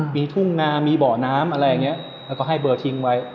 มีทุ่งนามีเบาะน้ำอะไรอย่างนี้แล้วก็ให้เบอร์ทิ้งไว้